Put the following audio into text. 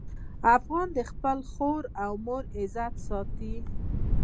افغان د خپل خور او مور عزت ساتي.